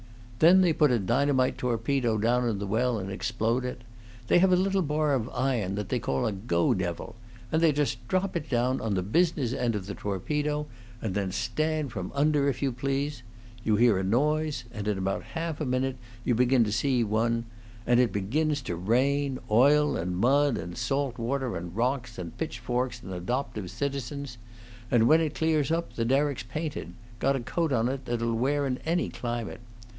Then they put a dynamite torpedo down in the well and explode it. They have a little bar of iron that they call a Go devil, and they just drop it down on the business end of the torpedo, and then stand from under, if you please! You hear a noise, and in about half a minute you begin to see one, and it begins to rain oil and mud and salt water and rocks and pitchforks and adoptive citizens; and when it clears up the derrick's painted got a coat on that'll wear in any climate.